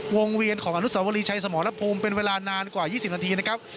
เวียนของอนุสาวรีชัยสมรภูมิเป็นเวลานานกว่า๒๐นาทีนะครับ